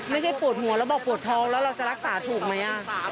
ไม่ใช่ปวดหัวแล้วบอกปวดท้องแล้วเราจะรักษาถูกไหม